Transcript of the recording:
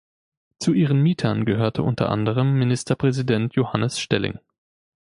Zu ihren Mietern gehörte unter anderem Ministerpräsident Johannes Stelling.